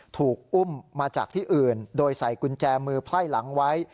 ถูกอุ้มมาจากที่อื่นโดยใส่กุญแจมือไพ่หลังไว้